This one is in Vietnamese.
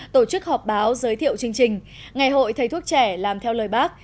tổ chức họp báo giới thiệu chương trình ngày hội thầy thuốc trẻ làm theo lời bác